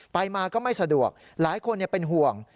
ไปมาก็ไม่สะดวกหลายคนเป็นห่วง